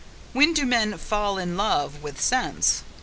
When do men FALL IN LOVE with sense?